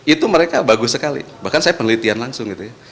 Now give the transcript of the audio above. itu mereka bagus sekali bahkan saya penelitian langsung gitu ya